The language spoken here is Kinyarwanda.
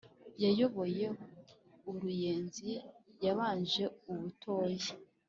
yayoboye u ruyenzi yabanje u butoyi